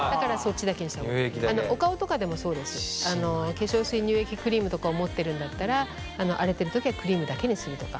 化粧水乳液クリームとかを持ってるんだったら荒れてる時はクリームだけにするとか。